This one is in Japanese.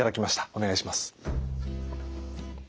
お願いします。